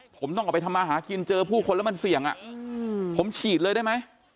ผมต้องออกไปทำมาหากินเจอผู้คนแล้วมันเสี่ยงผมฉีดเลยได้ไหม